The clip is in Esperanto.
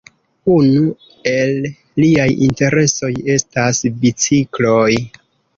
Unu el liaj interesoj estas bicikloj.